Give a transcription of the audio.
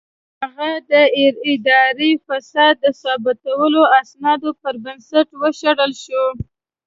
هغه د اداري فساد د ثابتو اسنادو پر بنسټ وشړل شو.